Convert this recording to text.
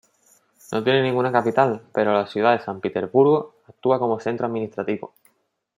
No tiene ninguna capital, pero la ciudad de San Petersburgo actúa como centro administrativo.